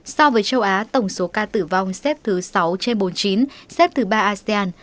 so với châu á tổng số ca tử vong xếp thứ sáu trên bốn mươi chín xếp thứ ba asean